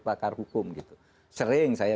pakar hukum sering saya